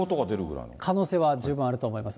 可能性は十分あると思います。